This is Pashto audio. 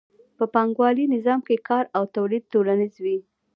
په پانګوالي نظام کې کار او تولید ټولنیز وي